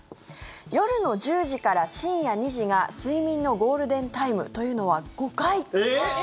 夜の１０時から深夜２時が睡眠のゴールデンタイムというのは誤解。